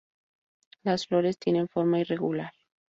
Las flores tienen forma irregular.